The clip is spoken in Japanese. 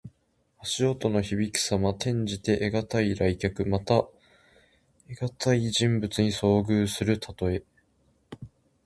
足音のひびくさま。転じて、得難い来客。また、得難い人物に遭遇するたとえ。